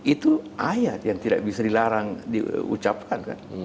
itu ayat yang tidak bisa dilarang diucapkan kan